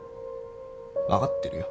分かってるよ。